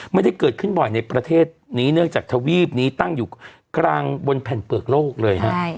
ไม่ได้เกิดขึ้นบ่อยในประเทศนี้เนื่องจากทวีปนี้ตั้งอยู่กลางบนแผ่นเปลือกโลกเลยฮะ